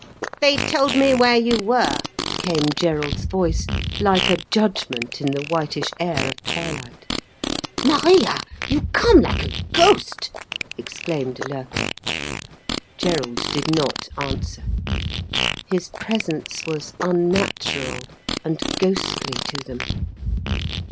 "They told me where you were," came Gerald's voice, like a judgment in the whitish air of twilight. "Maria! You come like a ghost," exclaimed Loerke. Gerald did not answer. His presence was unnatural and ghostly to them.